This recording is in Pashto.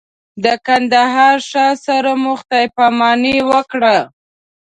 د کندهار ښار سره مو خدای پاماني وکړه.